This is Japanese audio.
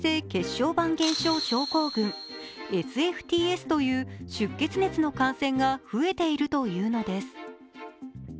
小板減少症候群＝ＳＦＴＳという出血熱の感染が増えているというのです。